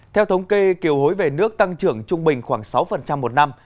theo thống kê kiều hối về nước tăng trưởng trung bình khoảng sáu một năm